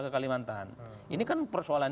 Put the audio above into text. ke kalimantan ini kan persoalan